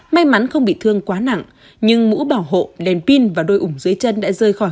may mắn không bị thương quá nặng nhưng mũ bảo hộ đèn pin và đôi ủng dưới chân đã rơi